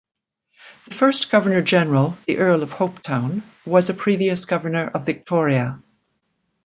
The first Governor-General, the Earl of Hopetoun, was a previous Governor of Victoria.